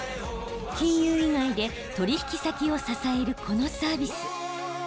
金融以外で取引先を支えるこのサービス。